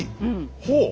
ほう。